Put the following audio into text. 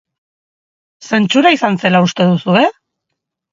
Zentsura izan zela uste duzue?